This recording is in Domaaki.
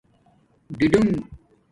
ڈِڈِنگ